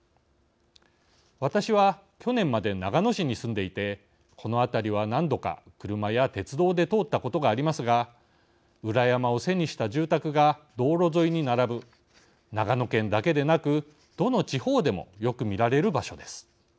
私は去年まで長野市に住んでいてこの辺りは何度か車や鉄道で通ったことがありますが裏山を背にした住宅が道路沿いに並ぶ長野県だけでなくどの地方でもよく見られる場所です。